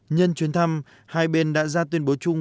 nhân chuyến thăm hai bên đã ra tuyên bố chung